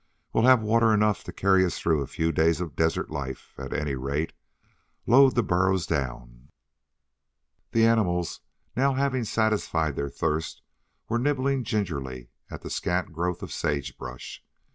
"We'll have water enough to carry us through a few days of desert life, at any rate. Load the burros down." The animals now having satisfied their thirst were nibbling gingerly at the scant growth of sage brush.